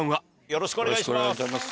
よろしくお願いします。